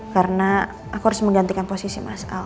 karena aku harus menggantikan posisi mas al